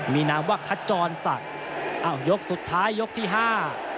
มีนามว่าขจรศักดิ์อ้าวยกสุดท้ายยกที่ห้า